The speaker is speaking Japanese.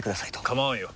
構わんよ。